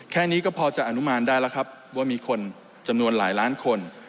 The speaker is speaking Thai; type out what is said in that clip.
แค่นี้ก็พอจะอนุมานได้แล้วครับว่ามีคนจำนวนหลายล้านคน